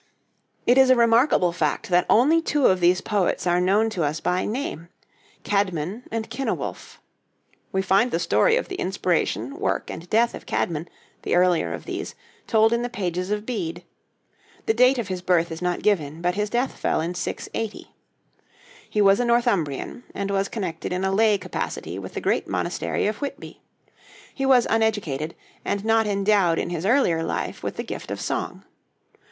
It is a remarkable fact that only two of these poets are known to us by name, Cædmon and Cynewulf. We find the story of the inspiration, work, and death of Cædmon, the earlier of these, told in the pages of Bede. The date of his birth is not given, but his death fell in 680. He was a Northumbrian, and was connected in a lay capacity with the great monastery of Whitby. He was uneducated, and not endowed in his earlier life with the gift of song.